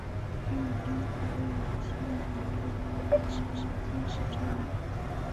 该文章是为了纪念马克思逝世三十周年。